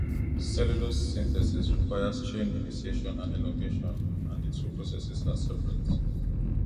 Cellulose synthesis requires chain initiation and elongation, and the two processes are separate.